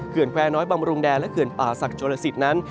เครื่องแควร์น้อยบำรุงแดนและเครื่องป่าศักดิ์โจรสิตนั้น